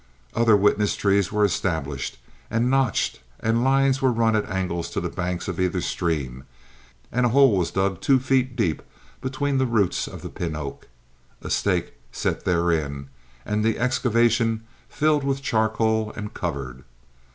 Other witness trees were established and notched, lines were run at angles to the banks of either stream, and a hole was dug two feet deep between the roots of the pin oak, a stake set therein, and the excavation filled with charcoal and covered.